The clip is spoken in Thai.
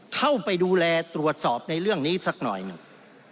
เข้าไปดูแลตรวจสอบในเรื่องนี้สักหน่อยหนึ่ง